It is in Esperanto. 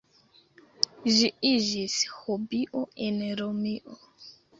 Ĝi iĝis hobio en Romio.